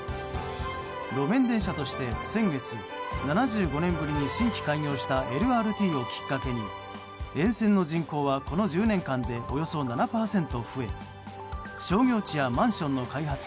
路面電車として先月、７５年ぶりに新規開業したＬＲＴをきっかけに沿線の人口はこの１０年間でおよそ７％増え商業地やマンションの開発